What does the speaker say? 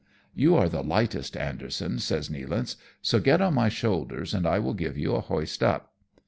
" You are the lightest, Anderson," sa ys Nealance, " so get on my shoulders, and I will give you a hoist up."